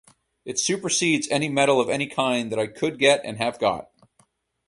It supersedes any medal of any kind that I could get and have got.